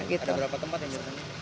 ada berapa tempat yang dirasakan